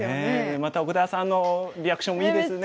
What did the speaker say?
また奥田さんのリアクションもいいですね。